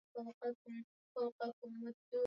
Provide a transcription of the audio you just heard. Idadi ya mifugo wanaoathiriwa kwenye kundi